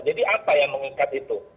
jadi apa yang mengikat itu